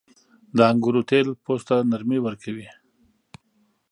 • د انګورو تېل پوست ته نرمي ورکوي.